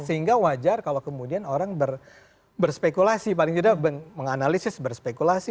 sehingga wajar kalau kemudian orang berspekulasi paling tidak menganalisis berspekulasi